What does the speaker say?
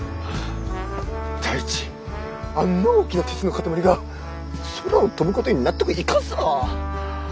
第一あんな大きな鉄の塊が空を飛ぶことに納得いかんさ。